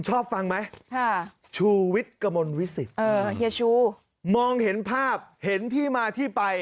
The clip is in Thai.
เห็นความสนใจความคิดของบางคน